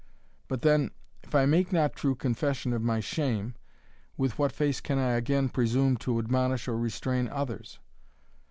But then, if I make not true confession of my shame, with what face can I again presume to admonish or restrain others?